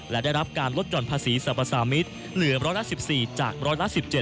และได้รับการลดห่อนภาษีสรรพสามิตรเหลือร้อยละ๑๔จากร้อยละ๑๗